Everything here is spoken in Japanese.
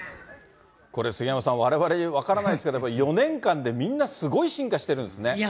これ、杉山さん、われわれ、分からないんですけど、４年間でみんな、すごい進化してるんですね。